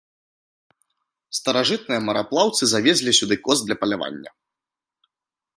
Старажытныя мараплаўцы завезлі сюды коз для палявання.